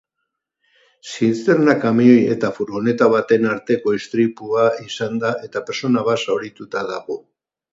Zisterna-kamioi eta furgoneta baten arteko istripua izan da eta pertsona bat zaurituta dago.